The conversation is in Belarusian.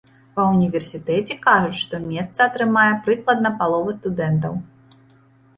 Ва ўніверсітэце кажуць, што месца атрымае прыкладна палова студэнтаў.